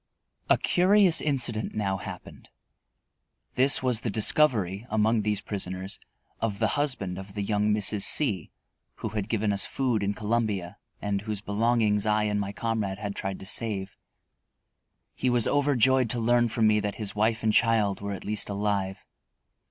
A curious incident now happened. This was the discovery, among these prisoners, of the husband of the young Mrs. C who had given us food in Columbia and whose belongings I and my comrade had tried to save. He was overjoyed to learn from me that his wife and child were at least alive.